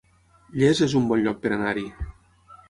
Llers es un bon lloc per anar-hi